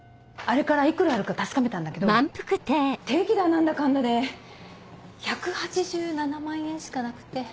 あれから幾らあるか確かめたんだけど定期だ何だかんだで１８７万円しかなくて。